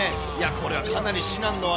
これはかなり至難の業。